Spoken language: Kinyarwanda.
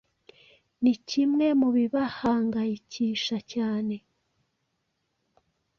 ni kimwe mu bibahangayikisha cyane